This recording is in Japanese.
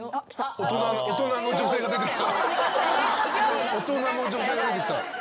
大人の女性が出てきた。